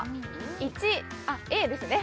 １あっＡですね